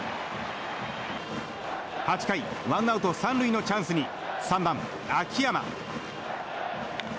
８回ワンアウト３塁のチャンスに３番、秋山。